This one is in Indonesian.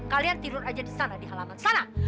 kalian tidur aja di sana di halaman sana